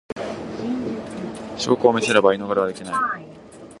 証拠を見せれば言い逃れはできまい